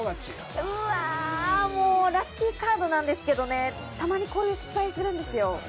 うわ、ラッキーカードなんですけれどね、たまに失敗するんですよね。